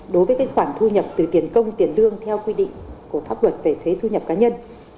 đối với khoản thu nhập từ tiền công tiền lương theo quy định của pháp luật về thuế thu nhập cá nhân